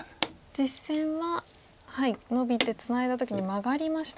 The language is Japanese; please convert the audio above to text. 実戦はノビてツナいだ時にマガりました。